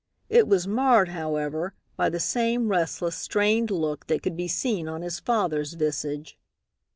It was marred, however, by the same restless, strained look that could be seen on his father's visage.